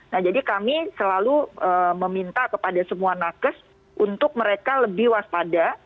nah jadi kami selalu meminta kepada semua nakes untuk mereka lebih waspada